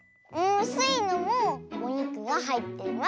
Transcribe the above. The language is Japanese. スイのもおにくがはいってます！